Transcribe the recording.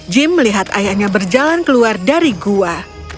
jim melihat ayahnya berjalan keluar dari gua